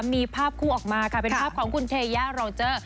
มีภาพคู่ออกมาค่ะเป็นภาพของคุณเทยารอเจอร์